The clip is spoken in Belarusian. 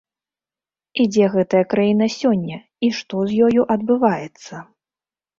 І дзе гэтая краіна сёння і што з ёю адбываецца?